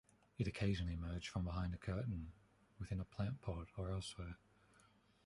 It occasionally emerged from behind a curtain, within a plant pot, or elsewhere.